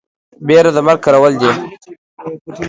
بيره د مرگ کرول دي.